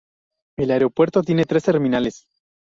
El aeropuerto tiene tres terminales.